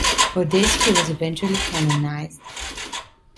For this he was eventually canonized.